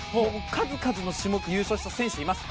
数々の種目優勝した選手がいます。